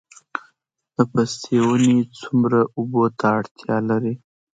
د پستې ونې څومره اوبو ته اړتیا لري؟